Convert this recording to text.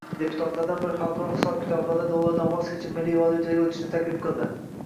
Deputatlardan biri xalqaro hisob -kitoblarda dollardan voz kechib, milliy valyutaga o'tishni taklif qildi